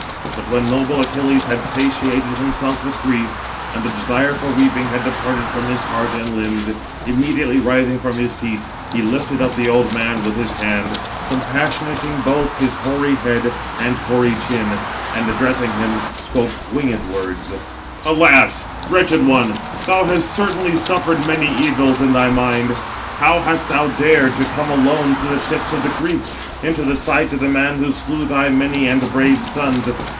But when noble Achilles had satiated himself with grief, and the desire [for weeping] had departed from his heart and limbs, immediately rising from his seat, he lifted up the old man with his hand, compassionating both his hoary head and hoary chin; and, addressing him, spoke winged words: Footnote 793: (return) Literally, "my only son." Footnote 794: (return) Priam. "Alas! wretched one, thou hast certainly suffered many evils in thy mind. How hast thou dared to come alone to the ships of the Greeks, into the sight of the man who slew thy many and brave sons?